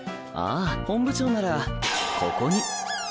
ああ本部長ならここに。